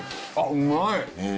うまい！